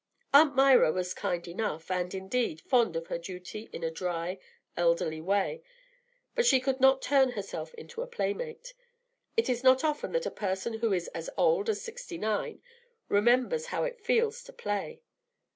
Aunt Myra was kind enough, and, indeed, fond of her in a dry, elderly way; but she could not turn herself into a play mate. It is not often that a person who is as old as sixty nine remembers how it feels to play.